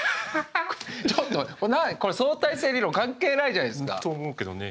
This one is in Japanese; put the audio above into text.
ちょっと何相対性理論関係ないじゃないですか。と思うけどね。